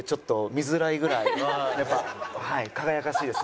やっぱ輝かしいです。